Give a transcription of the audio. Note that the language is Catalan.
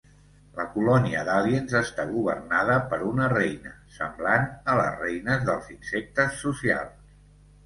La colònia d'aliens està governada per una Reina, semblant a les reines dels insectes socials.